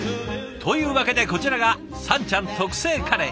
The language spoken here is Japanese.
というわけでこちらがさんちゃん特製カレー。